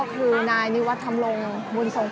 และที่อยู่ด้านหลังคุณยิ่งรักนะคะก็คือนางสาวคัตยาสวัสดีผลนะคะ